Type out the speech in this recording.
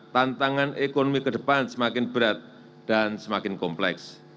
tantangan ekonomi ke depan semakin berat dan semakin kompleks